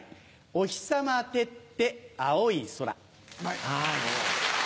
お日さま照って青い空。